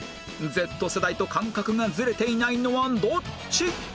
Ｚ 世代と感覚がずれていないのはどっち？